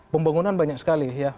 pembangunan banyak sekali ya